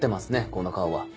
この顔は。